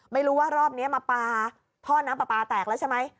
ไม่รู้ว่ารอบนี้มาปลาท่อน้ำปลาปลาแตกแล้วใช่ไหม